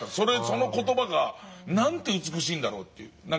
その言葉がなんて美しいんだろうという。